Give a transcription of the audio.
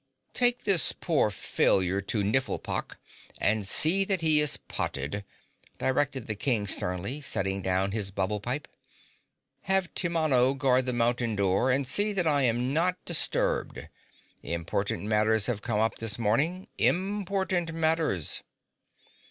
"Take this poor failure to Nifflepok and see that he is potted," directed the King sternly, setting down his bubble pipe. "Have Timano guard the mountain door and see that I am not disturbed. Important matters have come up this morning, important matters!"